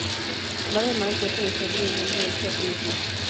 Made Man cuenta la historia de un hombre hecho a sí mismo.